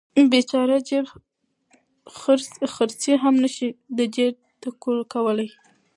بیچاره جیب خرڅي هم نشي ډډې ته کولی.